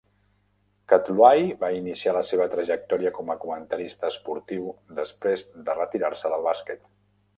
Kutluay va iniciar la seva trajectòria com a comentarista esportiu després de retirar-se del bàsquet.